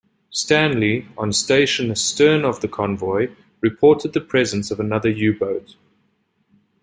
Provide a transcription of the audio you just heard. "Stanley", on station astern of the convoy, reported the presence of another U-boat.